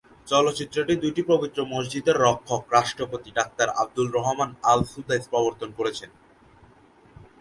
চলচ্চিত্রটি দুটি পবিত্র মসজিদের রক্ষক রাষ্ট্রপতি ডাক্তার আবদুল রহমান আল-সুদাইস প্রবর্তন করেছেন।